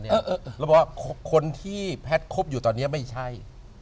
เราบอกว่าคนที่แพทย์คบอยู่ตอนนี้ไม่ใช่